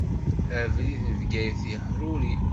Abrid n Bgayet yehruri.